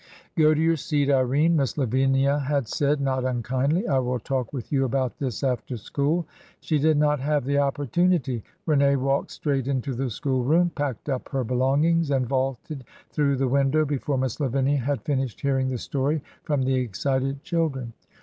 Go to your seat, Irene," Miss Lavinia had said, not unkindly, I will talk with you about this after school." She did not have the opportunity. Rene walked straight into the school room, packed up her belongings, and vaulted through the window before Miss Lavinia had finished hearing the story from the excited children..